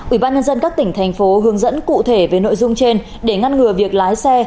ủy ban nhân dân các tỉnh thành phố hướng dẫn cụ thể về nội dung trên để ngăn ngừa việc lái xe